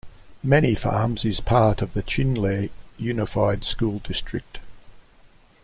Many Farms is a part of the Chinle Unified School District.